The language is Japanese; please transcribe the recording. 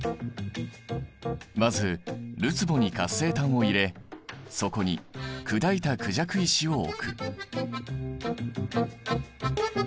まずるつぼに活性炭を入れそこに砕いたクジャク石を置く。